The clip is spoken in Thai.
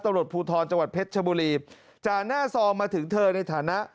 ตำรวจภูทรจังหวัดเพชรชบุรีจ่าหน้าซองมาถึงเธอในฐานะ